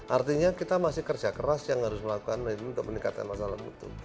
artinya kita masih kerja keras yang harus melakukan itu untuk meningkatkan masalah mutu